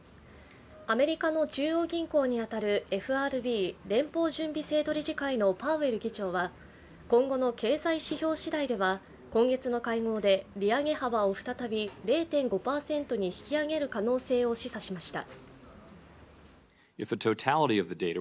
アメリカの中央銀行に当たるＦＲＢ＝連邦準備制度理事会のパウエル議長は、今後の経済指標しだいでは、今月の会合で利上げ幅を再び０．５％に引き上げる可能性を示唆しました。